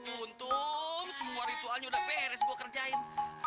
untung semua ritualnya udah beres gue kerjain